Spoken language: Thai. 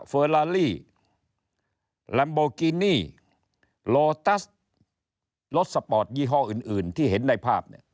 เฟอร์ลาลี่ลัมโบกินี่โลตัสรถสปอร์ตยี่ห้ออื่นที่เห็นในภาพ